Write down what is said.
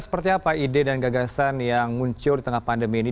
seperti apa ide dan gagasan yang muncul di tengah pandemi ini